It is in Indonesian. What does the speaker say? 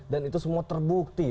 dan itu semua terbukti